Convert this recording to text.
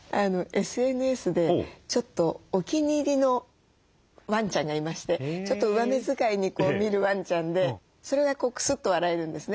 ＳＮＳでちょっとお気に入りのワンちゃんがいましてちょっと上目遣いにこう見るワンちゃんでそれがクスッと笑えるんですね。